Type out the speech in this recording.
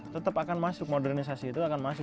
tetap akan masuk modernisasi itu